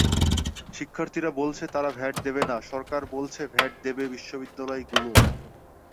শিক্ষার্থীরা বলছে তারা ভ্যাট দেবে না, সরকার বলছে ভ্যাট দেবে বিশ্ববিদ্যালয়গুলো।